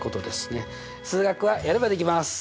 数学はやればできます！